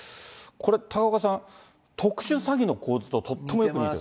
これ、高岡さん、特殊詐欺の構図ととってもよく似てる。